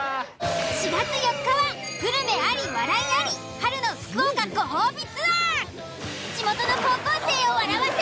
４月４日はグルメあり笑いあり春の福岡ご褒美ツアー！